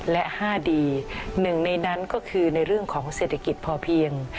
และ๕ดีหนึ่งในนั้นก็คือในเรื่องของเศรษฐกิจพอเพียง